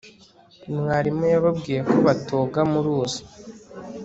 mwarimu yababwiye ko batoga mu ruzi